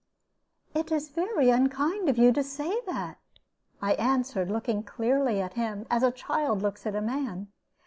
"It is very unkind of you to say that," I answered, looking clearly at him, as a child looks at a man.